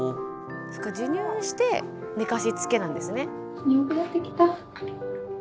そっか授乳して寝かしつけなんですね。